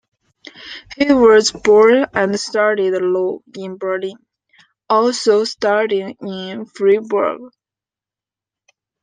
He was born and studied law in Berlin, also studying in Freiburg.